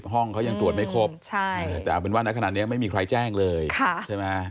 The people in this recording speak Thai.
ห้องเขายังตรวจไม่ครบแต่เอาเป็นว่าณขณะนี้ไม่มีใครแจ้งเลยใช่ไหม